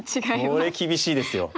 これ厳しいですよ。